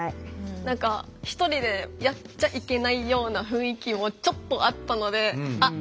何か１人でやっちゃいけないような雰囲気もちょっとあったのであっ